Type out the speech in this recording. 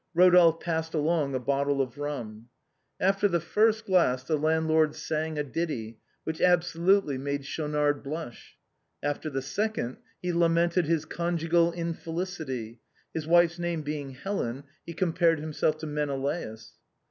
Eodolphe passed along a bottle of rum. After the first glass the landlord sang a ditty, which ab solutely made Schaunard blush. After the second, he lamented his conjugal infelicity. His wife's name being Helen, he compared himself to Mene laus.